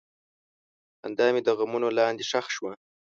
خندا مې د غمونو لاندې ښخ شوه.